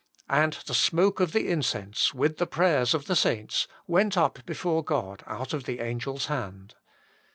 And the smoke of the incense, with the prayers of the saints, went up before God out of the angel s hand.